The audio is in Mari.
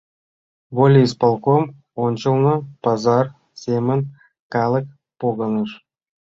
Волисполком ончылно пазар семын калык погыныш.